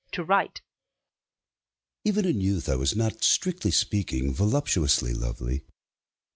Even in youth I was not, strictly speaking, voluptuously lovely.